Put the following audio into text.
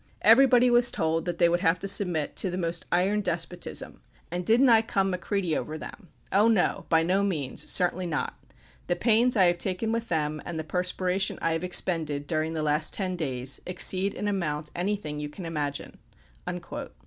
Everybody was told that they would have to submit to the most iron despotism, and didn't I come Macready over them? Oh no, by no means; certainly not. The pains I have taken with them, and the perspiration I have expended, during the last ten days, exceed in amount anything you can imagine."